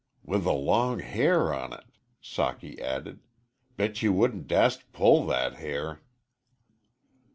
"With a long hair on it," Socky added. "Bet you wouldn't dast pull that hair."